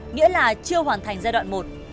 nghĩa là chưa hoàn thành giai đoạn một